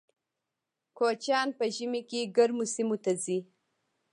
کوچیان په ژمي کې ګرمو سیمو ته ځي